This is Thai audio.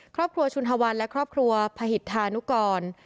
ครอบครัวชุนฮาวันและครอบครัวผิดธานุกร